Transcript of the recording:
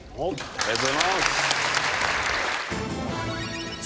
ありがとうございます！